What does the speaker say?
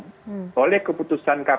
pemilu yang terkasih adalah penggunaan kekuatan